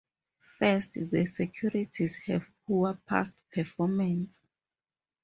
First, the securities have poor past performance.